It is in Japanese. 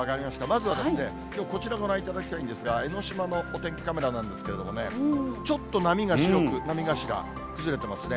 まずはこちらご覧いただきたいんですが、江の島のお天気カメラなんですけれどもね、ちょっと波が白く、波がしら、崩れてますね。